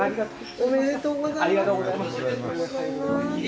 ありがとうございます。